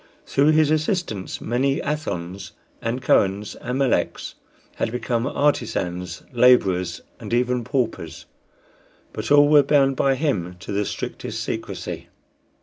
Through his assistance many Athons and Kohens and Meleks had become artisans laborers, and even paupers; but all were bound by him to the strictest secrecy.